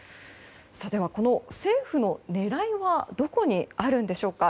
この政府の狙いはどこにあるんでしょうか。